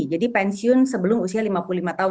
jadi pensiun sebelum usia lima puluh lima tahun